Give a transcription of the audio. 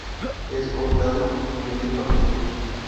Es cortado y medio partido.